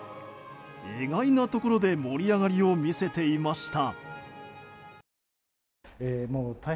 意外なところで盛り上がりを見せていました。